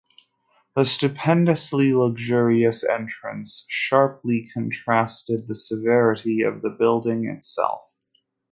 The "stupendously luxurious" entrance sharply contrasted the severity of the building itself.